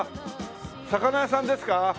魚屋さんですか？